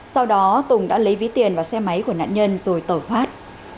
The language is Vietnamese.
sau đó tùng đã lấy ví tiền vào xe máy của nạn nhân rồi tẩu thoát